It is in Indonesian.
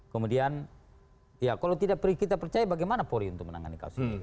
kemudian ya kalau tidak kita percaya bagaimana polri untuk menangani kasus ini